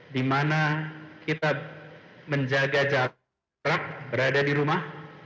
di mana kita menjaga jarak berada di rumah